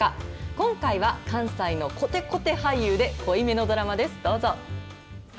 今回は関西のこてこて俳優で、濃いめのドラマです。